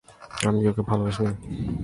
আমি কি ওকে ভালোবাসিনি?